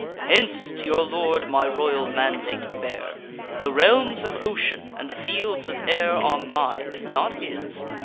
Hence! to your lord my royal mandate bear, The realms of ocean and the fields of air Are mine, not his.